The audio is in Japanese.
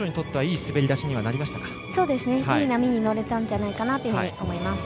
いい波に乗れたんじゃないかなと思います。